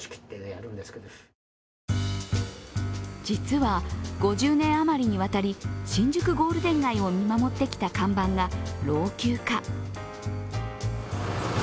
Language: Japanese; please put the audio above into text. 実は５０年余りにわたり新宿ゴールデン街を見守ってきた看板が老朽化。